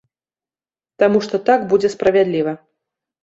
Таму што так будзе справядліва.